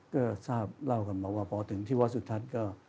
ก็ทราบเล่ากันมาว่าพอถึงที่วัดสุทัศน์ก็